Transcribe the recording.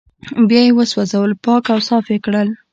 بيا يې وسوځول پاک او صاف يې کړل